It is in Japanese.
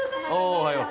おおはよう。